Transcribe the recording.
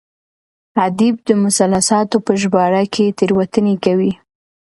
ادیب د مثلثاتو په ژباړه کې تېروتنې کوي.